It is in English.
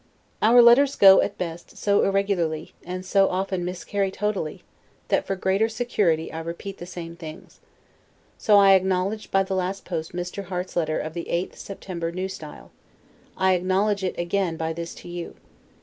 Our letters go, at best, so irregularly, and so often miscarry totally, that for greater security I repeat the same things. So, though I acknowledged by last post Mr. Harte's letter of the 8th September, N. S., I acknowledge it again by this to you.